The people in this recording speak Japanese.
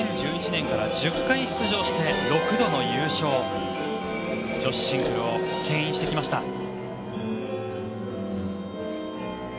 ２０１１年から１０回出場して６度の優勝女子シングルをけん引してきました。